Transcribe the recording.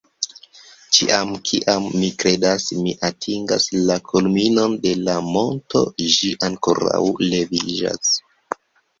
Ĉiam kiam mi kredas ni atingas la kulminon de la monto, ĝi ankoraŭ leviĝas